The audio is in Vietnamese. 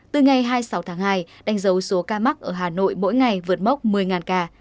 từ ngày hai mươi sáu tháng hai đánh dấu số ca mắc ở hà nội mỗi ngày vượt mốc một mươi ca